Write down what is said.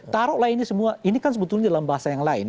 taruhlah ini semua ini kan sebetulnya dalam bahasa yang lain